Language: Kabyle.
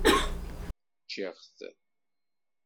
Ččiɣ-t.